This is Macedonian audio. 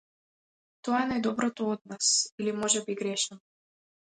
Тоа е најдоброто од нас или можеби грешам.